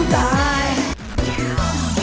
สวัสดีครับ